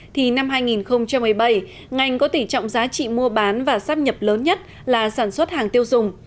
thì năm hai nghìn một mươi bảy ngành có tỷ trọng giá trị mua bán và sắp nhập lớn nhất là sản xuất hàng tiêu dùng